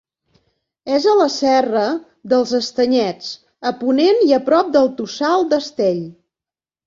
És a la Serra dels Estanyets, a ponent i a prop del Tossal d'Astell.